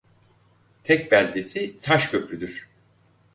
Tek beldesi Taşköprüdür.